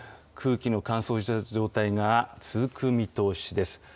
空気の乾燥した状態が続く見通しです。